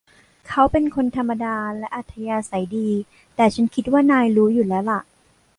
เขาเป็นคนธรรมดาและอัธยาศัยดี แต่ฉันคิดว่านายรู้อยู่แล้วล่ะ